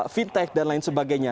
fintech dan lain sebagainya